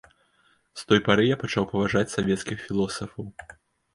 З той пары я пачаў паважаць савецкіх філосафаў.